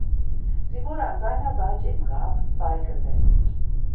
Sie wurde an seiner Seite im Grab beigesetzt.